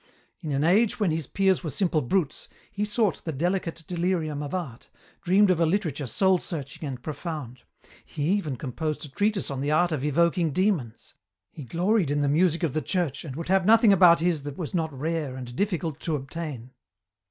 In an age when his peers were simple brutes, he sought the delicate delirium of art, dreamed of a literature soul searching and profound; he even composed a treatise on the art of evoking demons; he gloried in the music of the Church, and would have nothing about his that was not rare and difficult to obtain.